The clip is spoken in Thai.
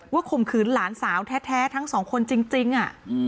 ข่มขืนหลานสาวแท้ทั้งสองคนจริง